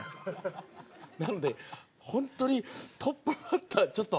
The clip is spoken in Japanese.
なのでほんとにトップバッターちょっと。